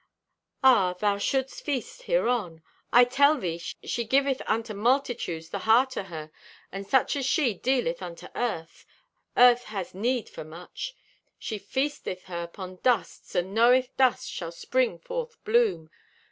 Ah, thou shouldst feast hereon. I tell thee she giveth unto multitudes the heart o' her; and such as she dealeth unto earth, earth has need for much. She feasteth her 'pon dusts and knoweth dust shall spring forth bloom.